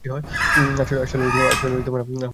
আসলে, আমার পিছনে থাকো।